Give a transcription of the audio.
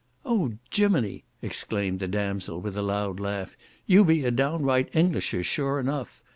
"Oh Gimini!" exclaimed the damsel, with a loud laugh, "you be a downright Englisher, sure enough.